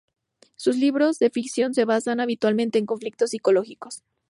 Sus libros de ficción se basan habitualmente en conflictos psicológicos.